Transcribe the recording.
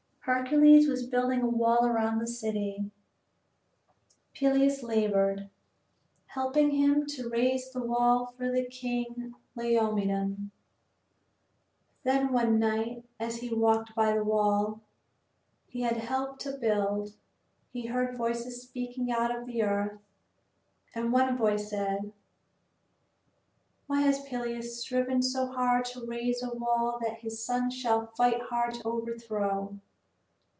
Heracles was building a wall around a city. Peleus labored, helping him to raise the wall for King Laomedon. Then, one night, as he walked by the wall he had helped to build, he heard voices speaking out of the earth. And one voice said: "Why has Peleus striven so hard to raise a wall that his son shall fight hard to overthrow?"